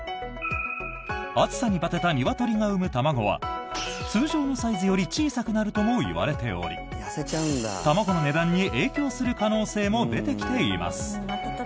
暑さにバテたニワトリが産む卵は通常のサイズより小さくなるともいわれており卵の値段に影響する可能性も出てきています。